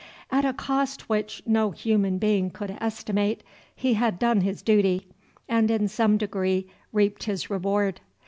At a cost which no human being could estimate, he had done his duty, and in some degree reaped his reward.